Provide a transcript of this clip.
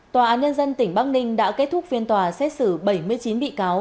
tòa án nhân dân tỉnh bắc ninh đã kết thúc phiên tòa xét xử bảy mươi chín bị cáo